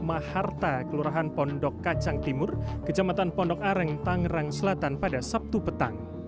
maharta kelurahan pondok kacang timur kecamatan pondok areng tangerang selatan pada sabtu petang